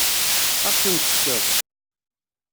Ad ɣ-ten-tefkeḍ?